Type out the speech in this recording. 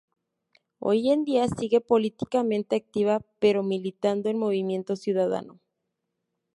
Hoy en día, sigue políticamente activa pero militando en Movimiento Ciudadano.